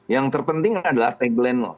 yang terpenting adalah tagline